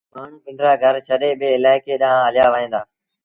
مآڻهوٚݩ پنڊرآ گھر ڇڏي ٻي الآئيڪي ڏآنهن هليآوهيݩ دآ۔